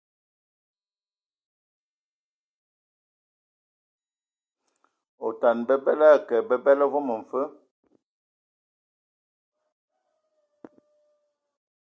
Otana, babela a a akǝ babǝla vom mfǝ.